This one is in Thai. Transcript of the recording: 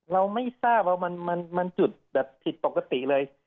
เราไม่ทราบว่ามันจุดแบบผิดปกติเลย